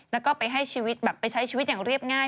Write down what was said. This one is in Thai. แล้วก็ไปใช้ชีวิตอย่างเรียบง่าย